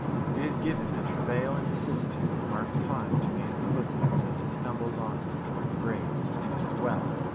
It is given that travail and vicissitude mark time to man's footsteps as he stumbles onward toward the grave; and it is well.